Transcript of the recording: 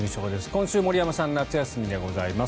今週、森山さん夏休みでございます。